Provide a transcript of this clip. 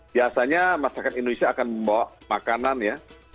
biasanya masyarakat indonesia akan membawa makanan ya